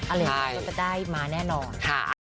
อันนี้ก็จะได้มาแน่นอนค่ะ